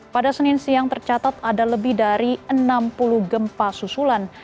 pada senin siang tercatat ada lebih dari enam puluh gempa susulan